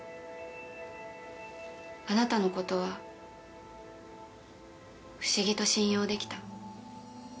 あなたの事は不思議と信用できた。